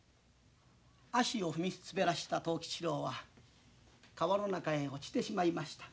足を踏み滑らした藤吉郎は川の中へ落ちてしまいました。